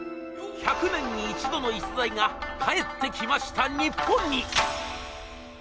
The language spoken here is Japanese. １００年に一度の逸材が帰ってきました、日本に。